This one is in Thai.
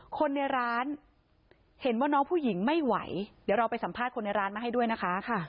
คนในร้านเห็นว่าน้องผู้หญิงไม่ไหวเดี๋ยวเราไปสัมภาษณ์คนในร้านมาให้ด้วยนะคะ